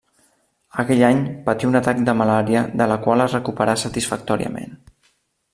Aquell any patí un atac de malària de la qual es recuperà satisfactòriament.